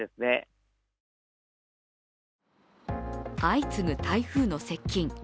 相次ぐ台風の接近。